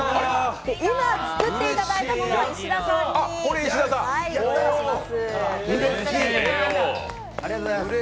今、作っていただいたものは石田さんにご用意します。